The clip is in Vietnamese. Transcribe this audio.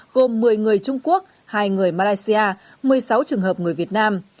gồm một mươi người trung quốc hai người malaysia một mươi sáu trường hợp người việt nam